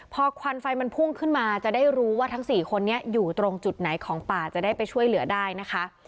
พอควันไฟมันพุ่งขึ้นมาจะได้รู้ว่าทั้ง๔คนนี้อยู่ตรงจุดไหนของป่าจะได้ไปช่วยเหลือได้นะคะ